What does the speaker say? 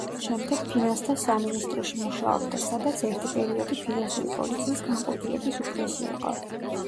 შემდეგ ფინანსთა სამინისტროში მუშაობდა, სადაც ერთი პერიოდი ფინანსური პოლიციის განყოფილების უფროსი იყო.